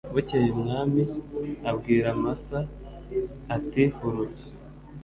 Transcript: bukeye umwami abwira amasa ati huruza